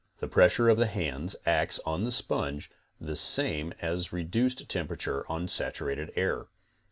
The pressure of the hands acts on the sponge the same as reduced temperature on saturated air.